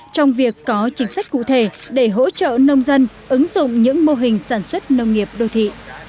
trong việc có chính sách cụ thể để hỗ trợ nông dân ứng dụng những mô hình sản xuất nông nghiệp đô thị